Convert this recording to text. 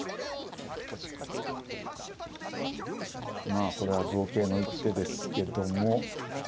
まあこれは同桂の一手ですけども。